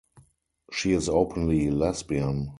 She is openly lesbian.